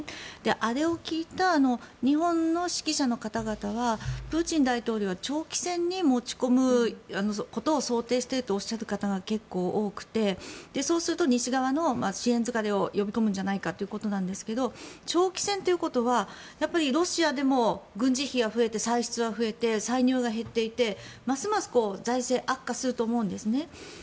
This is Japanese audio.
あれを聞いた日本の識者の方々はプーチン大統領は長期戦に持ち込むことを想定しているとおっしゃる方が結構多くてそうすると西側の支援疲れを呼び込むんじゃないかということなんですが長期戦ということはロシアでも軍事費が増えて歳出は増えて歳入が減っていってますます財政は悪化すると思うんですね。